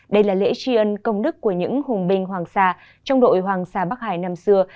đây là lễ tri ân công đức của những hùng binh hoàng sa trong đội hoàng sa bắc hải năm xưa